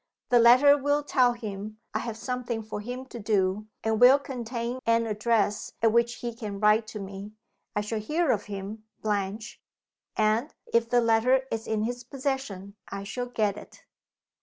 The letter will tell him I have something for him to do, and will contain an address at which he can write to me. I shall hear of him, Blanche and, if the letter is in his possession, I shall get it."